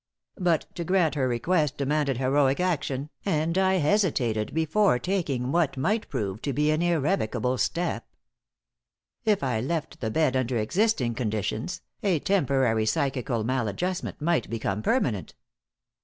But to grant her request demanded heroic action, and I hesitated before taking what might prove to be an irrevocable step. If I left the bed under existing conditions, a temporary psychical maladjustment might become permanent.